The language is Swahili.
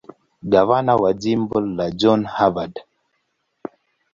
Gavana wa jimbo ni John Harvard.